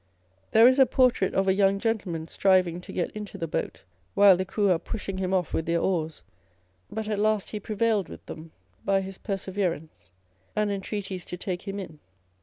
There is a por trait of a young gentleman striving to get into the boat, while the crew are pushing him off with their oars ; but at last he prevailed with them by his perseverance and entreaties to take him in.